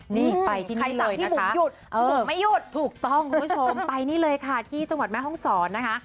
นี่ไปที่นี่เลยนะคะถูกต้องคุณผู้ชมไปนี่เลยค่ะที่จังหวัดแม่ห้องสอนนะคะ